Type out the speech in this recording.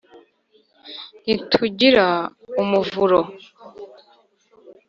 ntitugira umuvuro